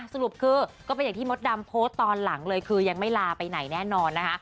สรุปคือก็เป็นอย่างที่มดดำโพสต์ตอนหลังเลยคือยังไม่ลาไปไหนแน่นอนนะคะ